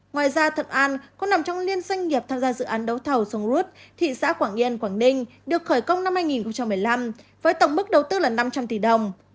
ngoài ra thuận an cũng nằm trong niên doanh nghiệp tham gia dự án đấu thầu súng thị xã quảng yên quảng ninh được khởi công năm hai nghìn một mươi năm với tổng mức đầu tư là năm trăm linh tỷ đồng